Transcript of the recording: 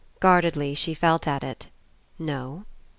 Guardedly she felt at it. No.